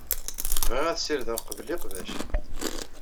Bɣiɣ ad ssirdeɣ qbel iqbac.